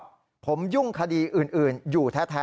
เพราะว่ามีทีมนี้ก็ตีความกันไปเยอะเลยนะครับ